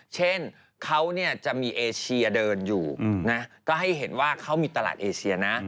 เช่นเขาเนี่ยจะมีเอเชียเดินอยู่นะก็ให้เห็นว่าเขามีตลาดเอเชียนะ